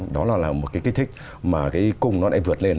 đó là một cái kích thích mà cái cung nó lại vượt lên